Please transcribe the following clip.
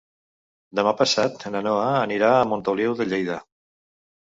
Demà passat na Noa anirà a Montoliu de Lleida.